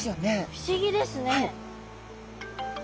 不思議ですね。